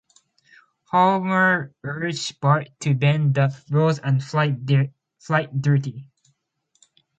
Homer urges Bart to bend the rules and fight dirty.